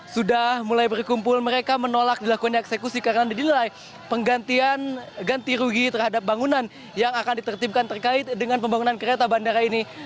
sudah mulai berkumpul mereka menolak dilakukannya eksekusi karena didilai pengganti rugi terhadap bangunan yang akan ditertibkan terkait dengan pembangunan kereta bandara ini